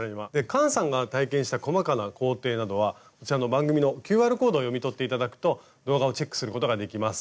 菅さんが体験した細かな工程などはこちらの番組のＱＲコードを読み取って頂くと動画をチェックすることができます。